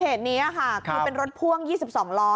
เหตุนี้ค่ะคือเป็นรถพ่วง๒๒ล้อ